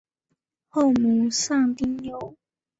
后母丧丁忧。